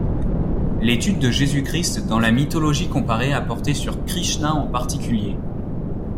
L'étude de Jésus-Christ dans la mythologie comparée a porté sur Krishna en particulier.